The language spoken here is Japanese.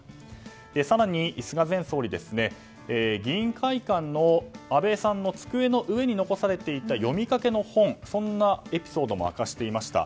更に菅前総理議員会館の安倍さんの机の上に残されていた読みかけの本そんなエピソードも明かしていました。